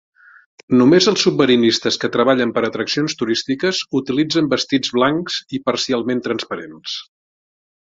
Només els submarinistes que treballen per atraccions turístiques utilitzen vestits blancs i parcialment transparents.